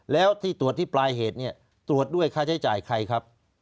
แล้วที่ตรวจที่ปลายเหตุเนี่ยตรวจด้วยค่าใช้จ่ายใครครับ